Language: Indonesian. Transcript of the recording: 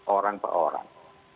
orang per orang